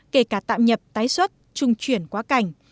kể cả tạm nhập tái xuất trung chuyển quá cảnh